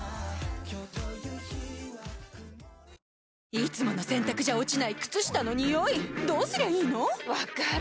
いつもの洗たくじゃ落ちない靴下のニオイどうすりゃいいの⁉分かる。